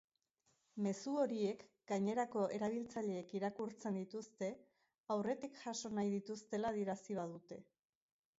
Mezu horiek gainerako erabiltzaileek irakurtzen dituzte, aurretik jaso nahi dituztela adierazi badute.